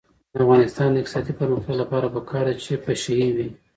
د افغانستان د اقتصادي پرمختګ لپاره پکار ده چې پشه یي وي.